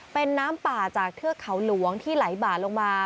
เป็นน้ำป่าจากเทือกเขาหลวงที่ไหลบ่าลงมา